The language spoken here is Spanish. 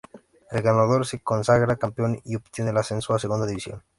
El ganador se consagra campeón y obtiene el ascenso a Segunda División.